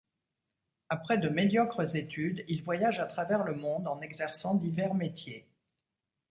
Après de médiocres études, il voyage à travers le monde en exerçant divers métiers.